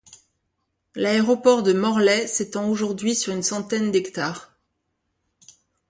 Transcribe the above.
L'aéroport de Morlaix s'étend aujourd'hui sur une centaine d'hectares.